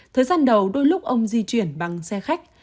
thời gian đầu đôi lúc ông di chuyển bằng xe khách